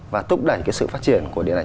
và thúc đẩy cái sự phát triển của điện ảnh